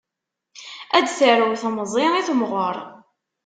A d-tarew temẓi i temɣer.